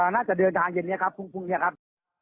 น่าจะเดินทางเย็นนี้ครับพรุ่งนี้ครับ